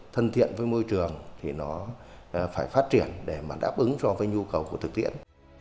thân thiện với môi trường thì nó phải phát triển để đáp ứng cho nhu cầu thực tiễn